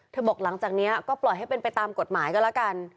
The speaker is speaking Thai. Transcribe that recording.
บอกหลังจากนี้ก็ปล่อยให้เป็นไปตามกฎหมายก็แล้วกัน